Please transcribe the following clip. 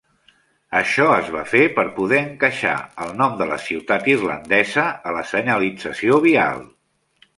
Això es va fer per poder encaixar el nom de la ciutat irlandesa a la senyalització vial.